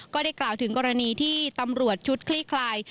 ก็ได้กล่าวถึงกรณีที่ตำรวจชุดคลี่คลาย